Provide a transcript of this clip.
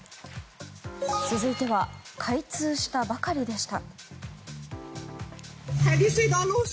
続いては開通したばかりでした。